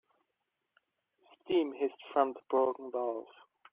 Steam hissed from the broken valve.